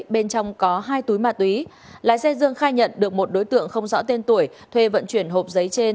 bên trong có hai túi ma túy lái xe dương khai nhận được một đối tượng không rõ tên tuổi thuê vận chuyển hộp giấy trên